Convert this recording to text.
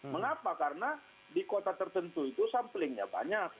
mengapa karena di kota tertentu itu samplingnya banyak